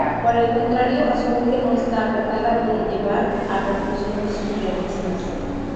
Por el contrario, asumir que no está acotada puede llevar a conclusiones surrealistas.